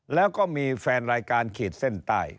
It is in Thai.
แล้วก็มีแฟนรายการขีดเส้นใต้